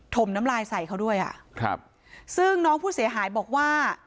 มน้ำลายใส่เขาด้วยอ่ะครับซึ่งน้องผู้เสียหายบอกว่า